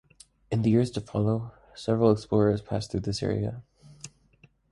In the years to follow, several explorers passed through this area.